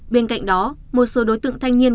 bên cạnh đó một số đối tượng thanh niên